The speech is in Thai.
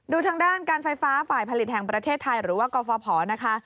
ดูทางด้านการไฟฟ้าฝ่ายผลิตแห่งประเทศไทยหรือว่ากฟภนะคะ